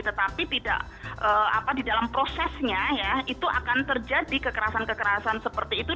tetapi di dalam prosesnya ya itu akan terjadi kekerasan kekerasan seperti itu